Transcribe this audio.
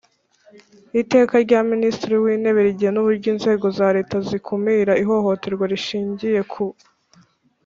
Iteka rya Minisitiri w Intebe rigena uburyo inzego za Leta zikumira ihohoterwa rishingiye ku